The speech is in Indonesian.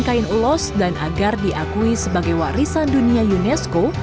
kain ulos dan agar diakui sebagai warisan dunia unesco